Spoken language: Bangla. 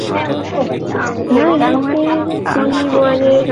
আচ্ছা তাই, কি বলে রামেশ্বর?